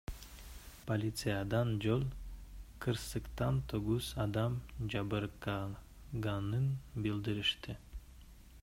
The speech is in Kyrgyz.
Полициядан жол кырсыктан тогуз адам жабыркаганын билдиришти.